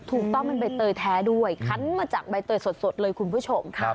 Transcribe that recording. ถูกต้องเป็นใบเตยแท้ด้วยคันมาจากใบเตยสดเลยคุณผู้ชม